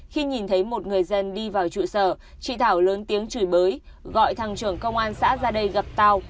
khi nhìn thấy một người dân đi vào trụ sở chị thảo lớn tiếng chửi bới gọi thăng trưởng công an xã ra đây gặp tàu